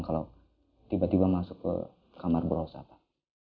kalau tiba tiba masuk ke kamar beruasa pak